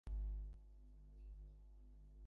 কিন্তু এ-মেয়ে হয়তো এ-সব পছন্দ করবে না।